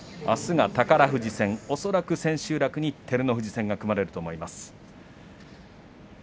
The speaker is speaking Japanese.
あすは宝富士戦恐らく千秋楽に照ノ富士戦が組まれると思います。